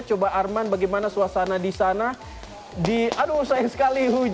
coba arman bagaimana suasana di sana di aduh sayang sekali hujan